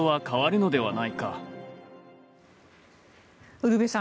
ウルヴェさん